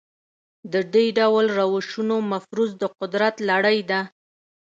د دې ډول روشونو مفروض د قدرت لړۍ ده.